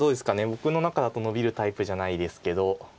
僕の中だとノビるタイプじゃないですけど。